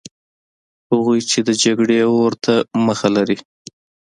هغوی چې د جګړې اور ته مخه لري.